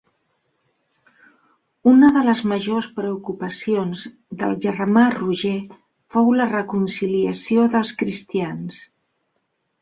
Una de les majors preocupacions del germà Roger fou la reconciliació dels cristians.